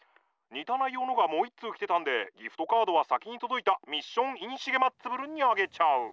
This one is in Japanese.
似た内容のがもう一通来てたんでギフトカードは先に届いたミッション・イン・シゲマッツブルにあげちゃう」。